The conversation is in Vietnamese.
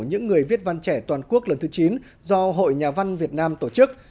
những người viết văn trẻ toàn quốc lần thứ chín do hội nhà văn việt nam tổ chức